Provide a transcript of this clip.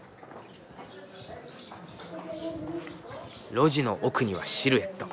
路地の奥にはシルエット。